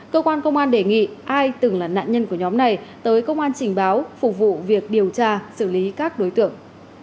cơ quan công an đề nghị ai từng là nạn nhân của nhóm này tới công an trình báo phục vụ việc điều tra xử lý các đối tượng